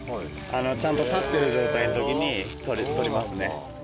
ちゃんと立ってる状態の時に採りますね。